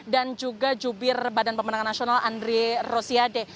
dan juga jubir badan pemenang nasional andrie rosiade